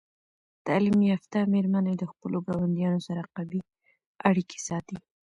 تعلیم یافته میرمنې د خپلو ګاونډیانو سره قوي اړیکې ساتي.